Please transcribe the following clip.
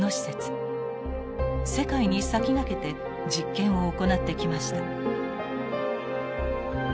世界に先駆けて実験を行ってきました。